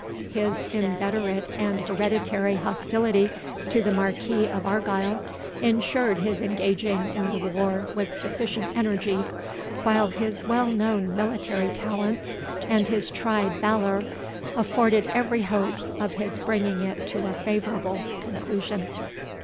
His inveterate and hereditary hostility to the Marquis of Argyle insured his engaging in the war with sufficient energy, while his well known military talents, and his tried valour, afforded every hope of his bringing it to a favourable conclusion.